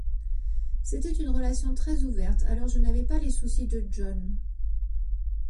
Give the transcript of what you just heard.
C'était une relation très ouverte, alors je n'avais pas les soucis de John.